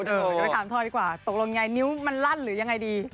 ไปถามท่อยก่อนตกลงยังไงนิ้วมันลั่นหรือยังไงดี